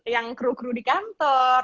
yang kru kru di kantor